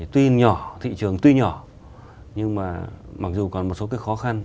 tuy nhỏ thị trường tuy nhỏ nhưng mà mặc dù còn một số cái khó khăn